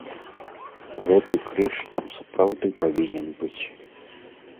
Гэты крыж там сапраўды павінен быць.